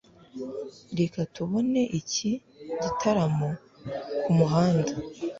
reka tubone iki gitaramo kumuhanda